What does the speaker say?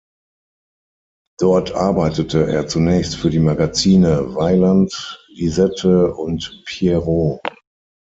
Dort arbeitete er zunächst für die Magazine "Vaillant", "Lisette" und "Pierrot".